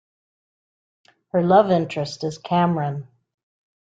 Her love interest is Cameron.